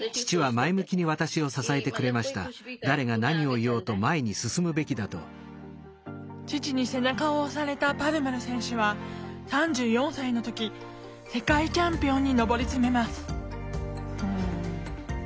象のように歩けばいい父に背中を押されたパルマル選手は３４歳の時世界チャンピオンに上り詰めます